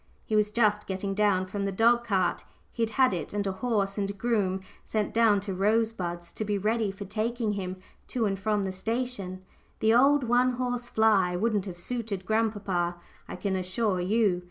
He was just getting down from the dog cart he had had it and a horse and groom sent down to Rosebuds to be ready for taking him to and from the station; the old one horse fly wouldn't have suited grandpapa, I can assure you!